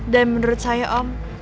dan menurut saya om